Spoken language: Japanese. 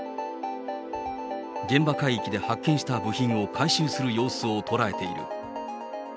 現場海域で発見した部品を回収する様子を捉えている。